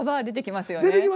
出てきますね。